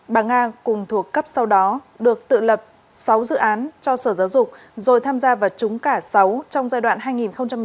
bà nga cùng thuộc cấp sau đó được tự lập sáu dự án cho sở giáo dục rồi tham gia vào trúng cả sáu trong giai đoạn hai nghìn một mươi sáu hai nghìn hai mươi